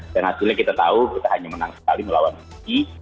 dan hasilnya kita tahu kita hanya menang sekali melawan suki